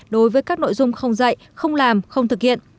đối với các nội dung không dạy không làm không thực hiện